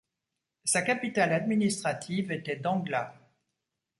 Sa capitale administrative était Dangla.